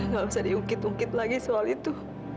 nggak usah diungkit ungkit lagi soal itu